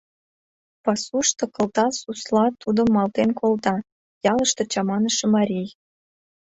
Пасушто кылта сусла тудым малтен колта, ялыште — чаманыше марий.